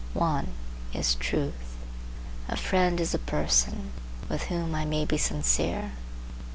One is truth. A friend is a person with whom I may be sincere.